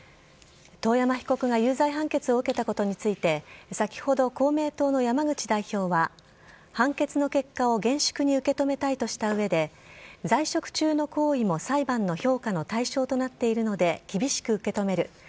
遠山被告が有罪判決を受けたことについて、先ほど、公明党の山口代表は、判決の結果を厳粛に受け止めたいとしたうえで、在職中の行為も裁判の評価の対象となっているので、厳しく受け止める。